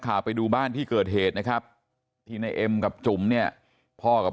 ข่าวไปดูบ้านที่เกิดเหตุนะครับที่ในเอ็มกับจุ๋มเนี่ยพ่อกับ